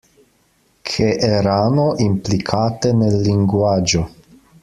Che erano implicate nel linguaggio.